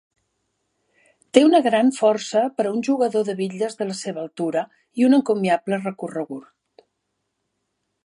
Té una gran força per a un jugador de bitlles de la seva altura i un encomiable recorregut.